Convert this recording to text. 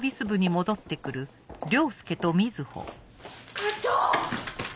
課長！